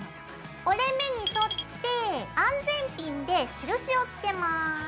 折れ目に沿って安全ピンで印をつけます。